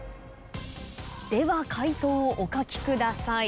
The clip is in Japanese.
では解答をお書きください。